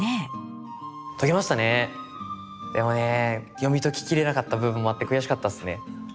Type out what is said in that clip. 読み解ききれなかった部分もあって悔しかったっすね。